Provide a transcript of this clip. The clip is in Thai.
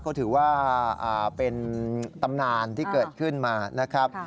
ก็ถือว่าเป็นตำนานที่เกิดขึ้นมานะครับ